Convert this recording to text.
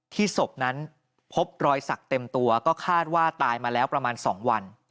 ศพนั้นพบรอยสักเต็มตัวก็คาดว่าตายมาแล้วประมาณ๒วัน